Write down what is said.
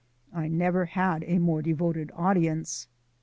I never had a more devoted audience.